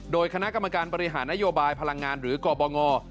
โดยคณะกรรมการบริหารนโยบายพลังงานหรือกบง